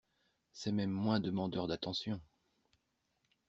C’est même moins demandeur d’attentions.